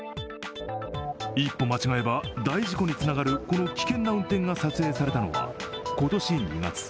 一歩間違えば大事故につながるこの危険な運転が撮影されたのは今年２月。